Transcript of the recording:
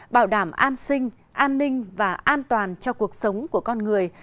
bảo đảm an sinh an ninh và an toàn cho cuộc sống của con người